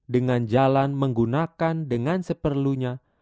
dengan jalan menggunakan dengan seperlunya